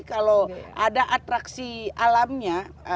kalau ada atraksi alamnya